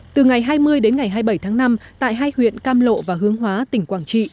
từ ngày hai mươi đến ngày hai mươi bảy tháng năm tại hai huyện cam lộ và hướng hóa tỉnh quảng trị